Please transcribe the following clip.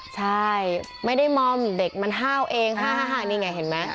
ใช่ไม่ได้มอมเด็กมันห้าวเอง๕๕นี่ไงเห็นไหม